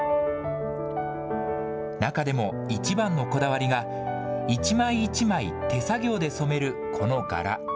中でも、一番のこだわりが一枚一枚手作業で染めるこの柄。